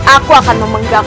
aku akan memenggak